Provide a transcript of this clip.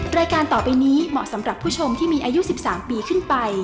รายการต่อไปนี้เหมาะสำหรับผู้ชมที่มีอายุ๑๓ปีขึ้นไป